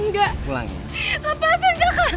enggak aku gak mau ikut kamu lagi jaka